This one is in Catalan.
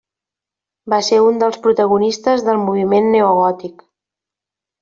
Va ser un dels protagonistes del moviment neogòtic.